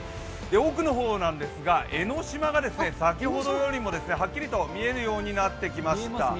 奥の方、江ノ島が先ほどよりもはっきりと見えるようになってきました。